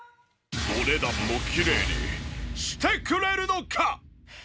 お値段もきれいにしてくれるのか？